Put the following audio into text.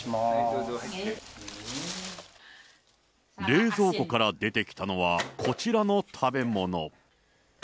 冷蔵庫から出てきたのは、こちらの食べ物。